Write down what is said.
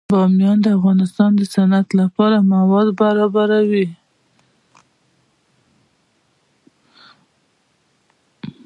بامیان د افغانستان د صنعت لپاره مواد برابروي.